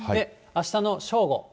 あしたの正午。